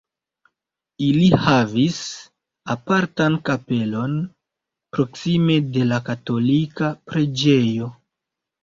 Ili havis apartan kapelon proksime de la katolika preĝejo.